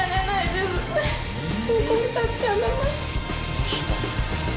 どうしたん？